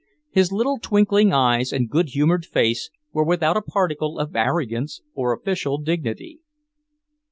His little twinkling eyes and good humoured face were without a particle of arrogance or official dignity.